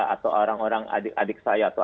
atau orang orang adik adik saya atau